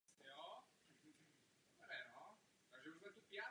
Obcí protéká Liščí potok.